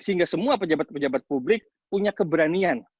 sehingga semua pejabat pejabat publik punya keberanian